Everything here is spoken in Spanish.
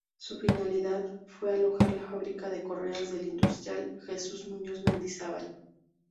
Su finalidad fue alojar la fábrica de correas del industrial Jesús Muñoz Mendizábal.